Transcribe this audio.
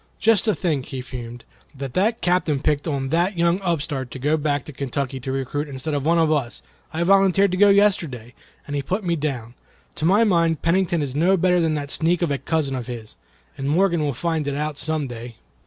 "Just to think," he fumed, "that the Captain picked on that young upstart to go back to Kentucky to recruit instead of one of us. I volunteered to go yesterday, and he put me down. To my mind, Pennington is no better than that sneak of a cousin of his, and Morgan will find it out some day."